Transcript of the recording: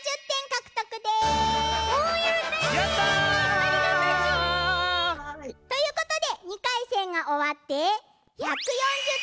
ありがとち！ということで２かいせんがおわって１４０たい